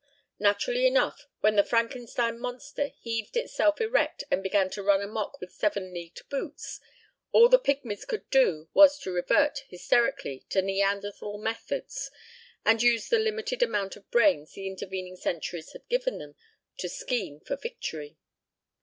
Naturally enough, when the Frankenstein monster heaved itself erect and began to run amok with seven leagued boots, all the pigmies could do was to revert hysterically to Neanderthal methods and use the limited amount of brains the intervening centuries had given them, to scheme for victory.